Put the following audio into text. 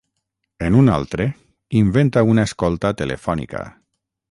En un altre, inventa una escolta telefònica.